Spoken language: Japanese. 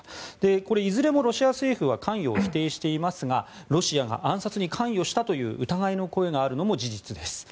これ、いずれもロシア政府は関与を否定していますがロシアが暗殺に関与したという疑いの声があるのも事実です。